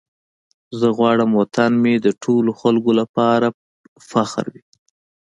زه غواړم وطن مې د ټولو خلکو لپاره فخر وي.